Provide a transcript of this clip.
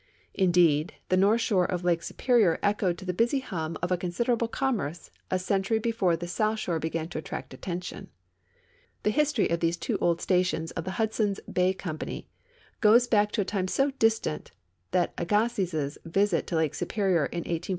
Indeed, the north shore of Lake Superior echoed to the busy hum of a considerable commerce a century before the south shore began to attract attention. The history of these two old stations of the Hudson's Bay Company goes back to a time so distant that Agassiz's visit to Lake Superior in 1848 is relatively a recent event.